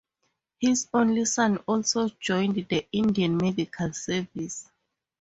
His only son also joined the Indian Medical service.